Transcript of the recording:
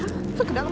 masuk ke dalam